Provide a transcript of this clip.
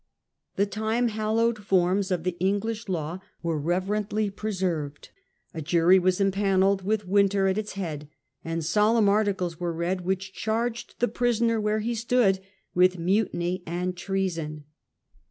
The time hallowed forms of the English law were rever ently preserved; a jury was empanelled with Wynter at its head, and solemn articles were read which charged the prisoner where he stood with mutiny and treason.